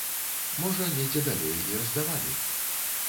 Можа недзе далей і раздавалі.